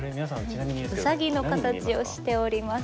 ウサギの形をしております。